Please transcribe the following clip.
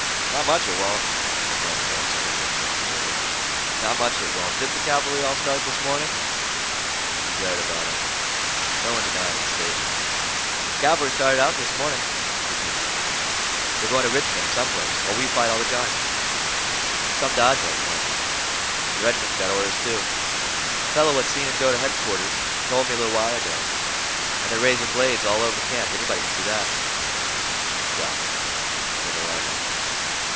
"Not much it won't," replied the tall soldier, exasperated. "Not much it won't. Didn't the cavalry all start this morning?" He glared about him. No one denied his statement. "The cavalry started this morning," he continued. "They say there ain't hardly any cavalry left in camp. They're going to Richmond, or some place, while we fight all the Johnnies. It's some dodge like that. The regiment's got orders, too. A feller what seen 'em go to headquarters told me a little while ago. And they're raising blazes all over camp—anybody can see that." "Shucks!" said the loud one.